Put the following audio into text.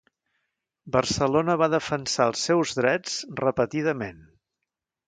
Barcelona va defensar els seus drets repetidament.